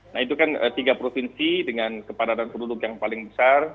nah itu kan tiga provinsi dengan kepadatan penduduk yang paling besar